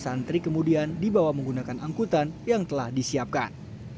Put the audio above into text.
santri kemudian dibawa menggunakan angkutan yang telah disiapkan